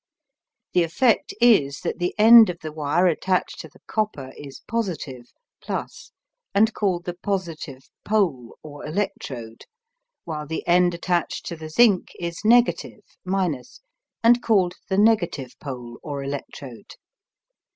The effect is that the end of the wire attached to the copper is positive (+), and called the positive "pole" or electrode, while the end attached to the zinc is negative (), and called the negative pole or electrode.